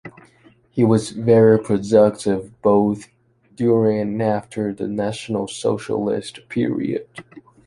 He was very productive both during and after the national socialist period.